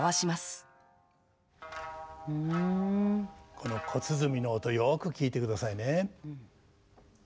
この小鼓の音よく聴いてくださいね。